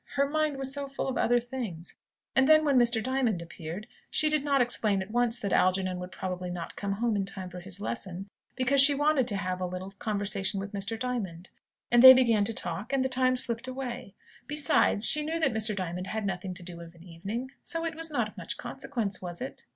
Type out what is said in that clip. Her mind was so full of other things! And then when Mr. Diamond appeared, she did not explain at once that Algernon would probably not come home in time for his lesson, because she wanted to have a little conversation with Mr. Diamond. And they began to talk, and the time slipped away: besides, she knew that Mr. Diamond had nothing to do of an evening, so it was not of much consequence, was it?